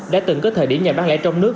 đã từng có thời điểm nhà bán lẻ trong nước